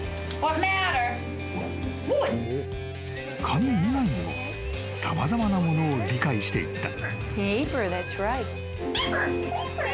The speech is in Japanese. ［紙以外にも様々なものを理解していった］